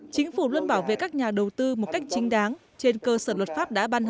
chính phủ luôn bảo vệ các nhà đầu tư một cách chính đáng trên cơ sở luật pháp đã ban hành